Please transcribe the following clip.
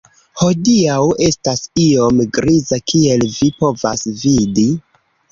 Hodiaŭ estas iom griza kiel vi povas vidi